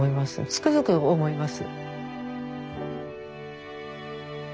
つくづく思います。